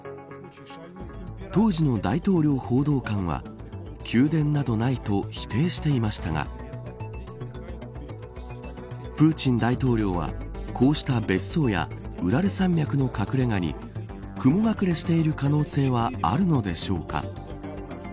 当時の大統領報道官は宮殿などないと否定していましたがプーチン大統領はこうした別荘やウラル山脈の隠れ家に雲隠れしている可能性はあるのでしょうか。